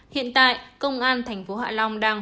hiện tại công an tp hạ long đang